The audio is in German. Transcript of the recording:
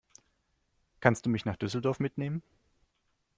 Kannst du mich nach Düsseldorf mitnehmen?